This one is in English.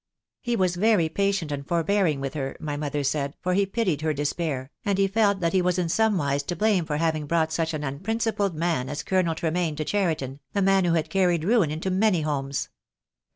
He was very patient and forbearing with her, my mother said, for he pitied her despair, and he felt that he was in some wise to blame for having brought such an unprincipled man as Colonel Tremaine to Cheriton, a man who had carried ruin into many homes.